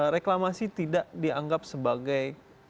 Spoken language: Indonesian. reklamasi tidak dianggap sebagai